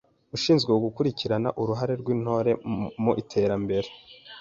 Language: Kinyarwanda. Ushinzwe gukurikirana uruhare rw’Intore mu iterambere.